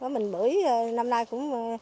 mình bưởi năm nay cũng